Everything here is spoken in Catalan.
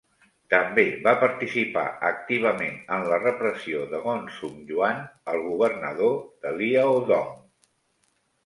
També va participar activament en la repressió de Gongsun Yuan, el governador de Liaodong.